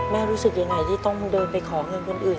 รู้สึกยังไงที่ต้องเดินไปขอเงินคนอื่น